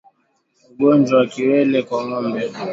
Ugonjwa wa kiwele kwa ngombe